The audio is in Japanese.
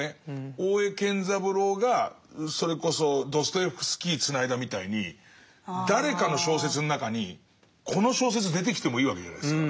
大江健三郎がそれこそドストエフスキー繋いだみたいに誰かの小説の中にこの小説出てきてもいいわけじゃないですか。